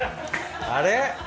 あれ？